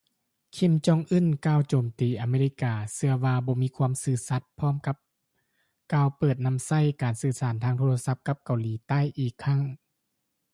ຄິມຈອງອຶນ ກ່າວໂຈມຕີອາເມລິກາ ເຊື່ອວ່າບໍ່ມີຄວາມຊື່ສັດ ພ້ອມກ່າວຈະເປີດນໍາໃຊ້ການສື່ສານທາງໂທລະສັບກັບເກົາຫຼີໃຕ້ອີກຄັ້ງ